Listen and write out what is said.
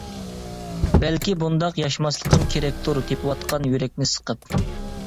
بەلكى بۇنداق ياشىماسلىقىم كېرەكتۇر تېپىۋاتقان يۈرەكنى سىقىپ!